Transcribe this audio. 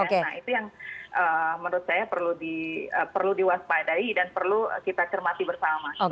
nah itu yang menurut saya perlu diwaspadai dan perlu kita cermati bersama